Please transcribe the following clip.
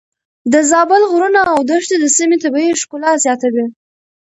د زابل غرونه او دښتې د سيمې طبيعي ښکلا زياتوي.